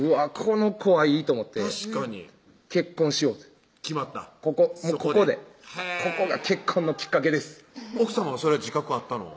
この子はいいと思って確かに結婚しようと決まったここでここが結婚のきっかけです奥さまそれ自覚あったの？